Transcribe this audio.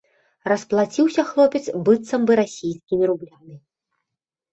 Расплаціўся хлопец быццам бы расійскімі рублямі.